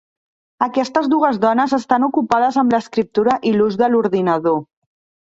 Aquestes dues dones estan ocupades amb l'escriptura i l'ús de l'ordinador.